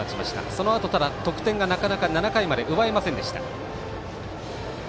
そのあと、ただ得点が７回まで奪えませんでした。